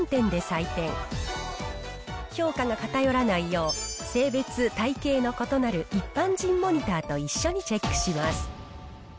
評価が偏らないよう性別体形の異なる一般人モニターと一緒にチェックします。